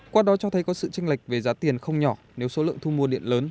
qua đó cho thấy có sự tranh lệch về giá tiền không nhỏ nếu số lượng thu mua điện lớn